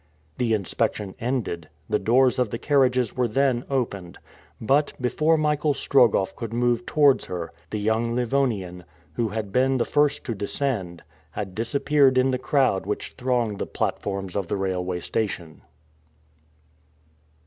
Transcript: The inspection ended, the doors of the carriages were then opened, but, before Michael Strogoff could move towards her, the young Livonian, who had been the first to descend, had disappeared in the crowd which thronged the platforms of the railway station.